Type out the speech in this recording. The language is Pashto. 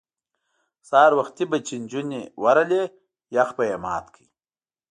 سهار وختي به چې نجونې ورغلې یخ به یې مات کړ.